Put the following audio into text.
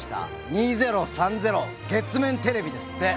「２０３０月面ＴＶ」ですって。